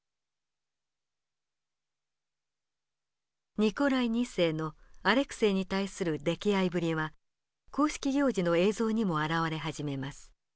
ニコライ２世のアレクセイに対する溺愛ぶりは公式行事の映像にも現れ始めます。